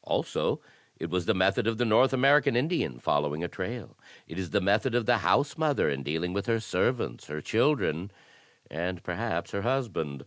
Also it was the method of the North American Indian fol lowing a trail. It is the method of the housemother in dealing with her servants, her children, and perhaps her husband.